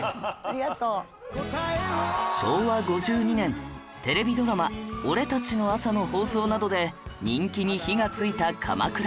昭和５２年テレビドラマ『俺たちの朝』の放送などで人気に火がついた鎌倉